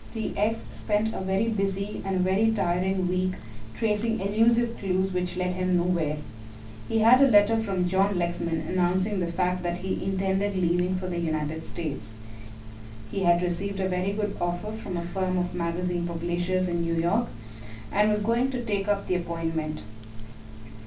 T. X. spent a very busy and a very tiring week tracing elusive clues which led him nowhere. He had a letter from John Lexman announcing the fact that he intended leaving for the United States. He had received a very good offer from a firm of magazine publishers in New York and was going out to take up the appointment.